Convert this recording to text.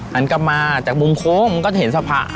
หันกลับมาจากมุมโค้งมันก็จะเห็นสภาพ